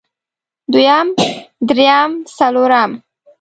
دويم درېيم څلورم